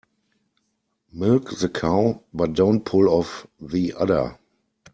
Milk the cow but don't pull off the udder.